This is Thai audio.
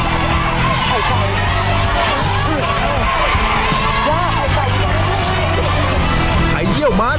โอ้โอ้